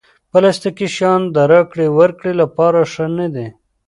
پلاستيکي شیان د راکړې ورکړې لپاره ښه نه وي.